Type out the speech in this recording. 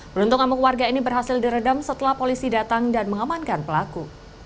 beruntung amuk warga ini berhasil diredam setelah polisi datang dan mengamankan pelaku